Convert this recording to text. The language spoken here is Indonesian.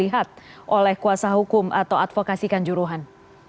dilihat oleh kuasa hukum atau advokasi kanjuruhan